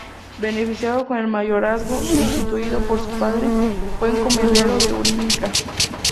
Beneficiado con el mayorazgo instituido por su padre, fue encomendero de Hurin Ica.